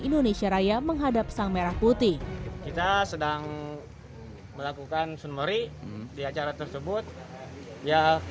indonesia raya menghadap sang merah putih kita sedang melakukan sunmary di acara tersebut ya